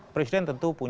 presiden tentu punya